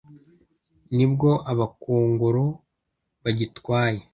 ni bwo abakongoro bagitwaye